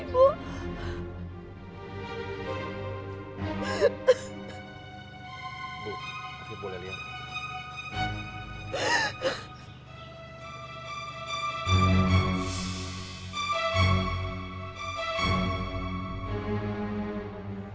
ibu aku boleh lihat